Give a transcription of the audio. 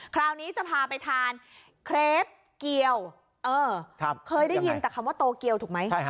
คราวนี้จะพาไปทานเครปเกียวเคยได้ยินแต่คำว่าโตเกียวถูกไหม